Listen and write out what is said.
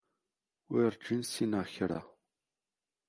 Werǧin ssineɣ kra.